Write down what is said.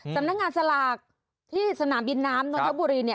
สำนักงานสลากที่สนามบินน้ำนนทบุรี